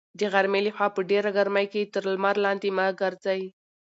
د غرمې لخوا په ډېره ګرمۍ کې تر لمر لاندې مه ګرځئ.